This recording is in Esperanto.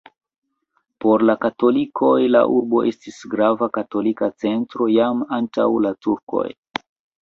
Por la katolikoj la urbo estis grava katolika centro jam antaŭ la turkoj.